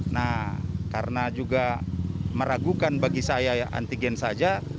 nah karena juga meragukan bagi saya ya antigen saja